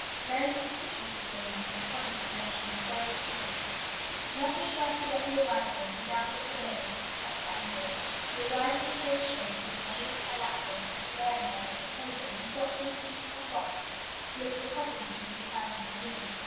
Mary's description of this lady and her coming to the rectory is very amusing: "Never shall I forget the arrival of Mme. de Pelevé at Stanford. She arrived in a post chaise with a maid, a lap dog, a canary bird, an organ, and boxes heaped upon boxes till it was impossible to see the persons within.